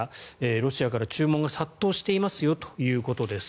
ロシアから注文が殺到していますよということです。